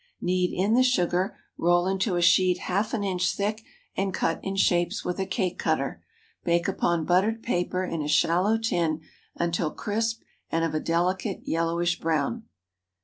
Knead in the sugar, roll into a sheet half an inch thick, and cut in shapes with a cake cutter. Bake upon buttered paper in a shallow tin until crisp and of a delicate yellowish brown.